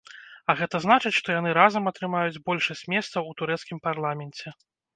А гэта значыць, што яны разам атрымаюць большасць месцаў у турэцкім парламенце.